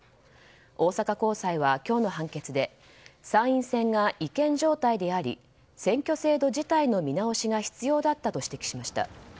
大阪高裁は、今日の判決で参院選が違憲状態であり選挙制度自体の見直しが必要だったと指摘しました。